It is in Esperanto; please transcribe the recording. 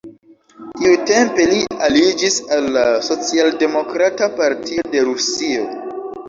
Tiutempe li aliĝis al la Socialdemokrata Partio de Rusio.